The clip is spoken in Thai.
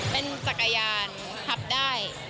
เป็นจักรยานขับได้